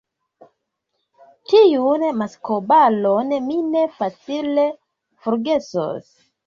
tiun maskobalon mi ne facile forgesos!